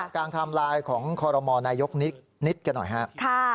กลางไทม์ไลน์ของคอรมณายกนิดก็หน่อยครับ